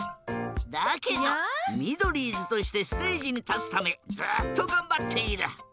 だけどミドリーズとしてステージにたつためずっとがんばっている。